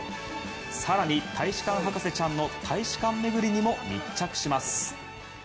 更に、大使館博士ちゃんの大使館巡りにも密着します。